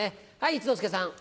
一之輔さん。